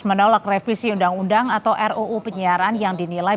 menolak revisi undang undang atau ruu penyiaran yang dinilai